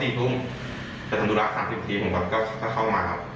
จะทำดูลักษณ์๓๐ทีผมก็เข้ามา